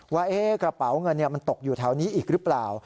ว่ากระเป๋าเงินมันตกอยู่แถวนี้อีกหรือเปล่า